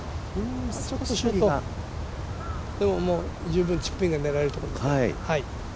十分チップインが狙えるというところですか。